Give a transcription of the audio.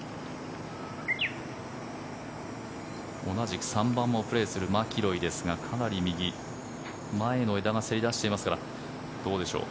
同じく３番をプレーするマキロイですがかなり右、前の枝がせり出していますからどうでしょう。